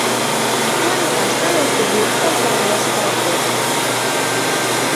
Quan passa l'autobús pel carrer Espalter?